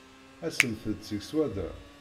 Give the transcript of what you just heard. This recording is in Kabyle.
Alsemt-d seg swadda.